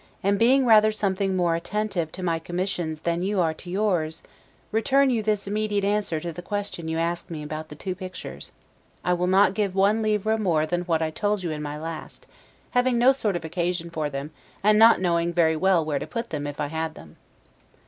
and being rather something more attentive to my commissions than you are to yours, return you this immediate answer to the question you ask me about the two pictures: I will not give one livre more than what I told you in my last; having no sort of occasion for them, and not knowing very well where to put them if I had them.